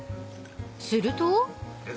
［すると］